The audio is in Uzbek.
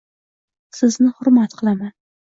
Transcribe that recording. Sizni hurmat qilaman.